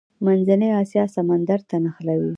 منځنۍ اسیا سمندر ته نښلوي.